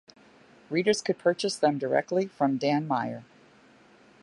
Readers could purchase them directly from Dan Meyer.